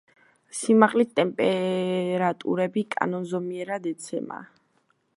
სიმაღლით ტემპერატურები კანონზომიერად ეცემა.